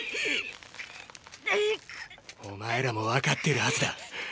お前らもわかっているハズだ。